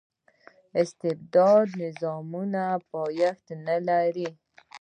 استبدادي نظامونه پایښت نه لري.